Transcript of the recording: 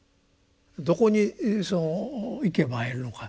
どこに行けば会えるのか